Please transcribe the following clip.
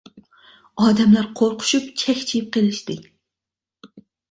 ئادەملەر قورقۇشۇپ چەكچىيىپ قېلىشتى.